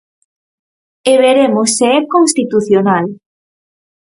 E veremos se é constitucional.